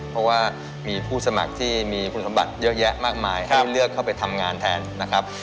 เพราะว่ามีผู้สมัครที่มีคุณสมบัติเยอะแยะมากมายให้เลือกเข้าไปทำงานแทนนะครับ